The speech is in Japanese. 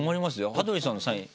羽鳥さんのサイン。